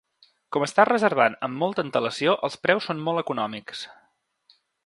Com estàs reservant amb molta antelació els preus són molt econòmics.